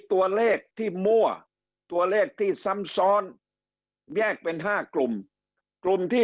ตัวเลขที่มั่วตัวเลขที่ซ้ำซ้อนแยกเป็น๕กลุ่มกลุ่มที่